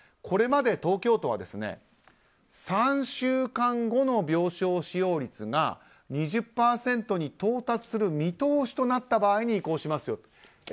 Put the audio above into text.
これまで東京都は３週間後の病床使用率が２０％に到達する見通しとなった場合に移行しますよと。